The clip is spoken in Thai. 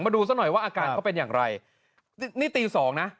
ดูซะหน่อยว่าอาการเขาเป็นอย่างไรนี่ตีสองนะ